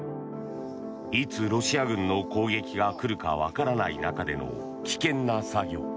いつロシア軍の攻撃が来るか分からない中での危険な作業。